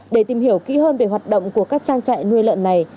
để tìm hiểu kỹ hơn về hoạt động của các trang trại nuôi lợn này